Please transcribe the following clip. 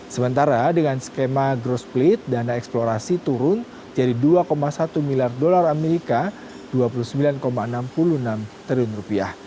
sementara dengan skema growth split dana eksplorasi turun jadi dua satu miliar dolar amerika dua puluh sembilan enam puluh enam triliun rupiah